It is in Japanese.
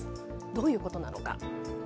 どういうことなのか。